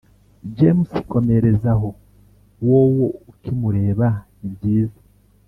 james komereza ho wowo ukimureba ni byiza